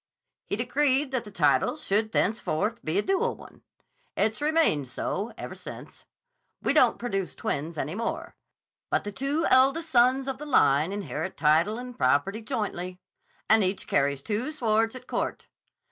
He decreed that the title should thenceforth be a dual one. It's remained so ever since. We don't produce twins any more, but the two eldest sons of the line inherit title and property jointly, and each carries two swords at court.